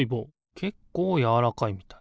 けっこうやわらかいみたい。